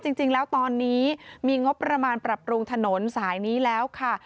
จริงแล้วตอนนี้มีงบประมาณปรับปรุงถนนสายนี้แล้วค่ะ